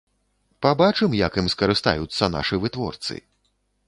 Пабачым, як ім скарыстаюцца нашы вытворцы.